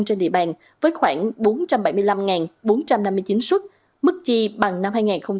trên địa bàn với khoảng bốn trăm bảy mươi năm bốn trăm năm mươi chín xuất mức chi bằng năm hai nghìn một mươi bảy